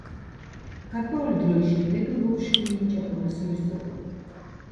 გარკვეული დროის შემდეგ ლვოვში მიენიჭა პროფესორის წოდება.